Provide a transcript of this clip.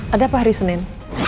ada apa hari senin